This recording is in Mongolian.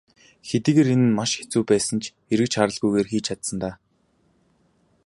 Хэдийгээр энэ нь маш хэцүү байсан ч эргэж харалгүйгээр хийж чадсан даа.